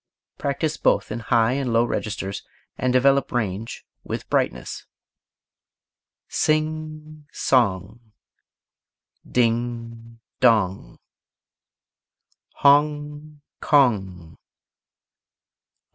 Practise both in high and low registers, and develop range with brightness. Sing song. Ding dong. Hong kong.